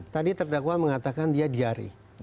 tadi terdakwa mengatakan dia diare